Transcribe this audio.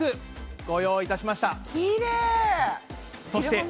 そして。